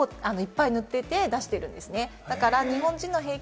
だから結構いっぱい塗ってて出しているんですね。